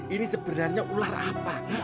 ini sebenarnya ular apa